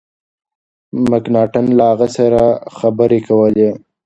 مکناټن له هغه سره خبري کولې.